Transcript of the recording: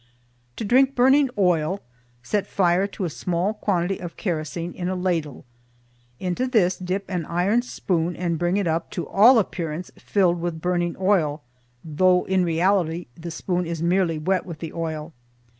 To drink burning oil set fire to a small quantity of kerosene in a ladle. Into this dip an iron spoon and bring it up to all appearance, filled with burning oil, though in reality the spoon is merely wet with the oil.